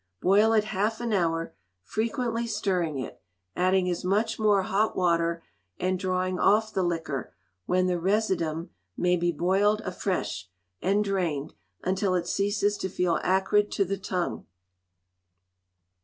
Boil it half an hour, frequently stirring it; adding as much more hot water, and drawing off the liquor, when the residuum may be boiled afresh, and drained, until it ceases to feel acrid to the tongue.